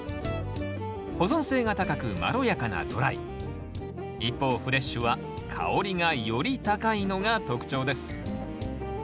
保存性が高くまろやかなドライ一方フレッシュは香りがより高いのが特徴です。